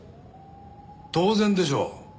当然でしょう。